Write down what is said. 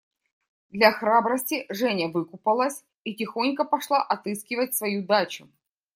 Для храбрости Женя выкупалась и тихонько пошла отыскивать свою дачу.